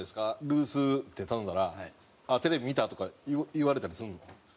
「ルース！」って頼んだら「あっテレビ見た？」とか言われたりするの？